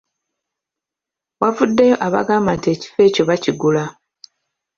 Wavuddeyo abagamba nti ekifo ekyo baakigula.